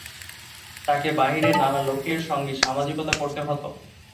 তাঁকে বাইরের নানা লোকের সঙ্গে সামাজিকতা করতে হত।